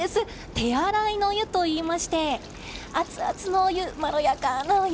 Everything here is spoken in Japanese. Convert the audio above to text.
手洗いの湯といいましてアツアツのお湯、まろやかなお湯